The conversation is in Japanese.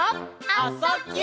「あ・そ・ぎゅ」